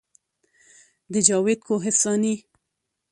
د جاوید کوهستاني